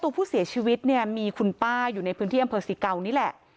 ตัวผู้เสียชีวิตเนี่ยมีคุณป้าอยู่ในพื้นที่อำเภอสิเกานี่แหละ